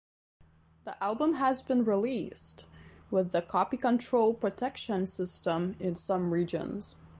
The album has been released with the Copy Control protection system in some regions.